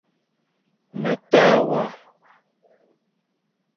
Me ta wa ;